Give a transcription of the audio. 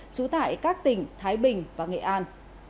trú tại các tỉnh thái bình và nghệ an